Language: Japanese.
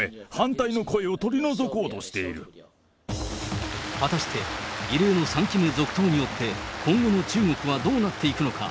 すべての不調和な声、果たして、異例の３期目続投によって、今後の中国はどうなっていくのか。